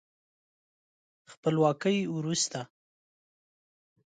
خپلواکۍ وروسته